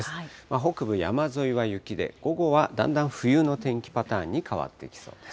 北部山沿いは雪で、午後はだんだん冬の天気パターンに変わってきそうです。